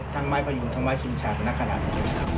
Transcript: ทั้งไม้พยุงทั้งไม้ชิงชันนักขนาดนี้